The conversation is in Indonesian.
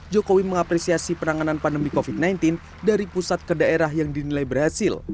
jokowi mengapresiasi penanganan pandemi covid sembilan belas dari pusat ke daerah yang dinilai berhasil